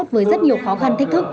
với rất nhiều khó khăn thích